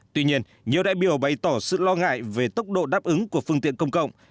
tuy nhiên nhiều đại biểu bày tỏ sự lo ngại về tốc độ đáp ứng của phương tiện công cộng